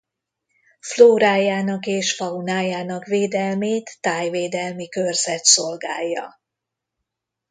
Flórájának és faunájának védelmét tájvédelmi körzet szolgálja.